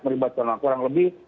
meribatkan kurang lebih